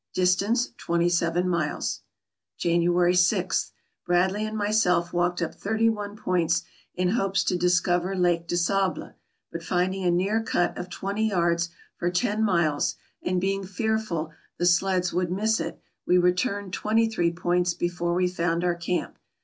Distance twenty seven miles. January 6. — Bradley and myself walked up thirty one points in hopes to discover Lake de Sable ; but finding a near cut of twenty yards for ten miles, and being fearful the AMERICA 139 sleds would miss it, we returned twenty three points before we found our camp.